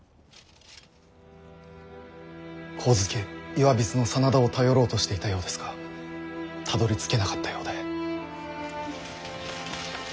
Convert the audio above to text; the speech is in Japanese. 上野岩櫃の真田を頼ろうとしていたようですがたどりつけなかったようで。